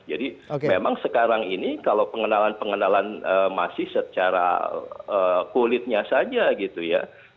jadi memang sekarang ini kalau pengenalan pengenalan masih secara kulitnya saja gitu ya